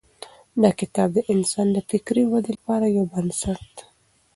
دا کتاب د انسان د فکري ودې لپاره یو بنسټ دی.